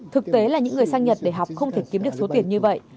thực tế là những người sang nhật để học không thể kiếm được số tiền như vậy